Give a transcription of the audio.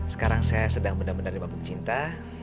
sekarang saya sedang benar benar dimampu cinta